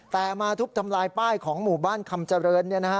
แต่มาทุบทำลายป้ายของหมู่บ้านคำเจริญ